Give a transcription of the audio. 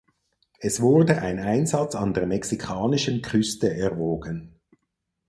Es wurde ein Einsatz an der mexikanischen Küste erwogen.